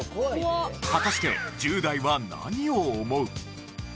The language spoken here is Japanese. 果たして１０代は何を思う？